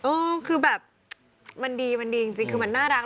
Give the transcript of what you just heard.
เออคือแบบมันดีมันดีจริงคือมันน่ารัก